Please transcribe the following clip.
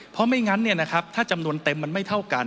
เพราะไม่งั้นเนี่ยนะครับถ้าจำนวนเต็มมันไม่เท่ากัน